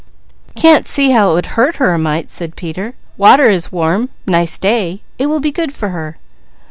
"Can't see how it would hurt her a mite," said Peter. "Water is warm, nice day. It will be good for her."